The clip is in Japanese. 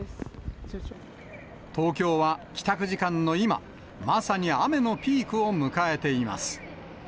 東京は帰宅時間の今、まさに雨のピークを迎えています。